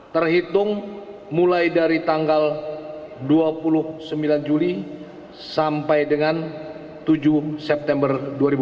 terhitung mulai dari tanggal dua puluh sembilan juli sampai dengan tujuh september dua ribu dua puluh